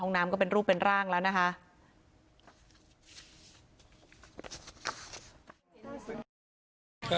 น้ำก็เป็นรูปเป็นร่างแล้วนะคะ